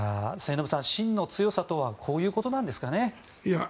末延さん真の強さとはこういうことなんですかね。